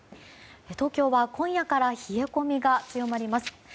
東京は今夜から冷え込みが強まります。